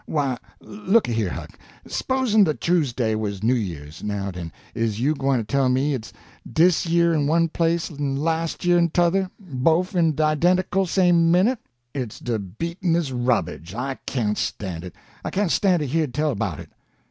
Why, looky here, Huck, s'posen de Choosday was New Year's—now den! is you gwine to tell me it's dis year in one place en las' year in t'other, bofe in de identical same minute? It's de beatenest rubbage! I can't stan' it—I can't stan' to hear tell 'bout it."